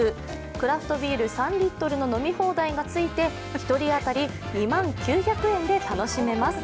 クラフトビール３リットルの飲み放題がついて１人当たり２万９００円で楽しめます。